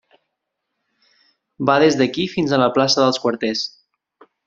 Va des d'aquí fins a la plaça dels Quarters.